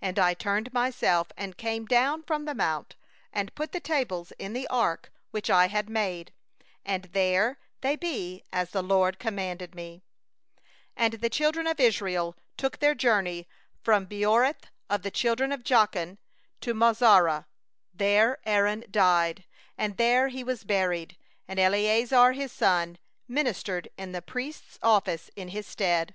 5And I turned and came down from the mount, and put the tables in the ark which I had made; and there they are, as the LORD commanded me.— 6And the children of Israel journeyed from Beeroth benejaakan to Moserah; there Aaron died, and there he was buried; and Eleazar his son ministered in the priest's office in his stead.